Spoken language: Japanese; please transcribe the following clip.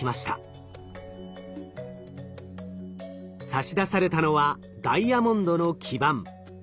差し出されたのはダイヤモンドの基板。